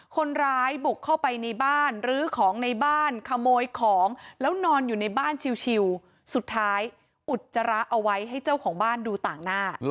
คนร้ายบุกเข้าไปในบ้านลื้อของในบ้านขโมยของแล้วนอนอยู่ในบ้านชิวสุดท้ายอุจจาระเอาไว้ให้เจ้าของบ้านดูต่างหน้า